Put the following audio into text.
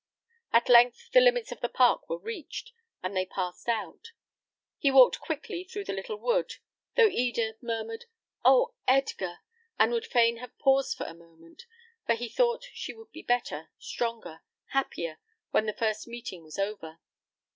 At length the limits of the park were reached, and they passed out. He walked quickly through the little wood, though Eda murmured, "Oh, Edgar!" and would fain have paused for a moment, for he thought she would be better, stronger, happier, when the first meeting was over.